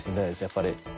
やっぱり。